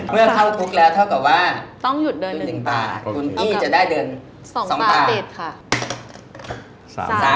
เมื่อเข้าคุกแล้วเท่ากับว่าต้องหยุดเดิน๑ป่าคุณอี้จะได้เดิน๒ป่า๒ป่าเต็ดค่ะ